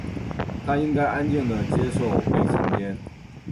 她应该安静地接受被强奸。